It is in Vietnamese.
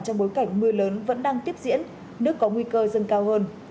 trong bối cảnh mưa lớn vẫn đang tiếp diễn nước có nguy cơ dâng cao hơn